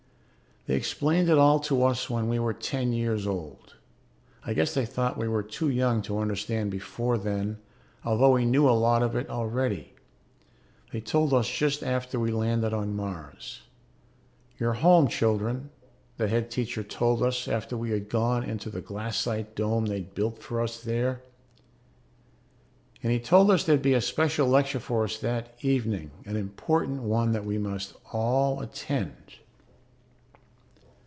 They explained it all to us when we were ten years old; I guess they thought we were too young to understand before then, although we knew a lot of it already. They told us just after we landed on Mars. "You're home, children," the Head Teacher told us after we had gone into the glassite dome they'd built for us there. And he told us there'd be a special lecture for us that evening, an important one that we must all attend.